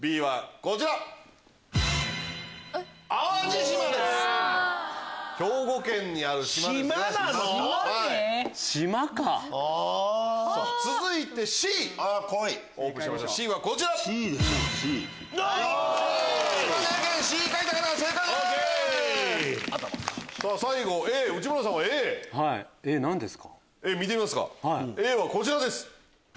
Ａはこちらです。